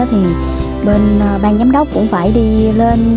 thì bên ban giám đốc cũng phải đi lên